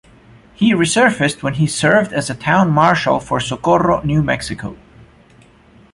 He resurfaced when he served as a town marshal for Socorro, New Mexico.